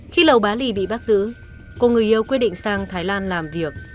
khi lầu bá lì bị bắt giữ cô người yêu quyết định sang thái lan làm việc